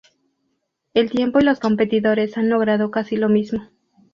El tiempo y los competidores han logrado casi lo mismo.